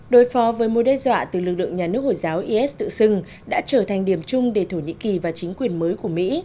đối phó với mối đe dọa từ lực lượng nhà nước hồi giáo is tự xưng đã trở thành điểm chung để thổ nhĩ kỳ và chính quyền mới của mỹ